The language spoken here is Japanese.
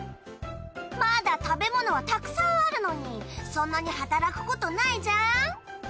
まだ食べ物はたくさんあるのにそんなに働くことないじゃん。